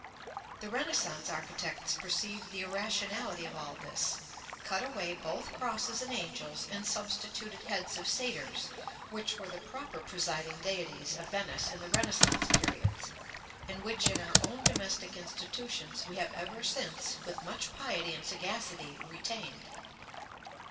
The Renaissance architects perceived the irrationality of all this, cut away both crosses and angels, and substituted heads of satyrs, which were the proper presiding deities of Venice in the Renaissance periods, and which in our own domestic institutions, we have ever since, with much piety and sagacity, retained."